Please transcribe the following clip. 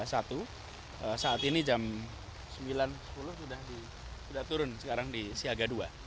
saat ini jam sembilan sepuluh sudah turun sekarang di siaga dua